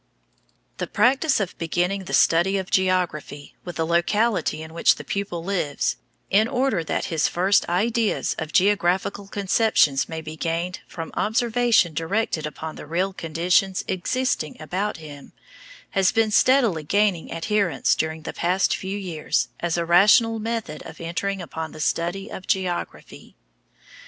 The practice of beginning the study of geography with the locality in which the pupil lives, in order that his first ideas of geographical conceptions may be gained from observation directed upon the real conditions existing about him, has been steadily gaining adherence during the past few years as a rational method of entering upon the study of geography.